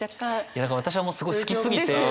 だから私はもうすごい好きすぎて。ですよね。